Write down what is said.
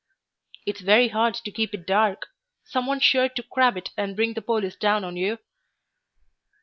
"It's very hard to keep it dark; some one's sure to crab it and bring the police down on you."